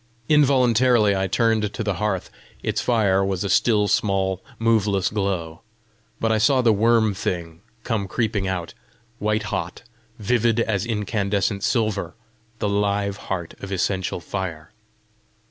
Involuntarily I turned to the hearth: its fire was a still small moveless glow. But I saw the worm thing come creeping out, white hot, vivid as incandescent silver, the live heart of essential fire.